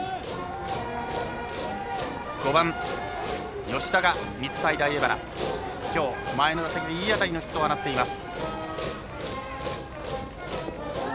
５番、吉田が日体大荏原きょう、前の打席でいい当たりのヒットを放っています。